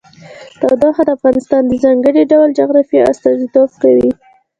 تودوخه د افغانستان د ځانګړي ډول جغرافیه استازیتوب کوي.